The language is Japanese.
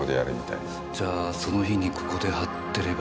じゃあその日にここで張ってれば。